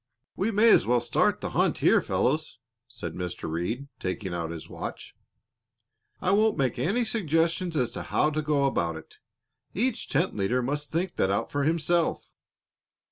"We may as well start the hunt here, fellows," said Mr. Reed, taking out his watch. "I won't make any suggestions as to how to go about it; each tent leader must think that out for himself.